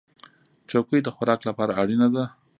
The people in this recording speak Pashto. چوکۍ د خوراک لپاره اړینه ده.